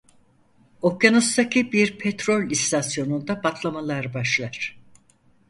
Okyanustaki bir petrol istasyonunda patlamalar başlar.